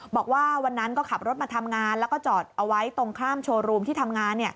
บอกว่าวันนั้นก็ขับรถมาทำงานแล้วก็จอดเอาไว้ตรงข้ามโชว์รูมที่ทำงาน